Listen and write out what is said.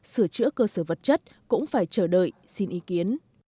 sửa chữa cơ sở vật chất cũng phải chờ đợi xin ý kiến